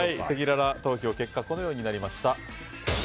せきらら投票結果、このようになりました。